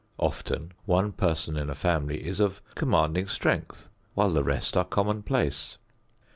Often one person in a family is of commanding strength, while the rest are commonplace.